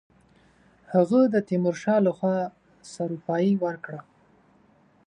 هغه ته د تیمورشاه له خوا سروپايي ورکړه.